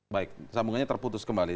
baik sambungannya terputus kembali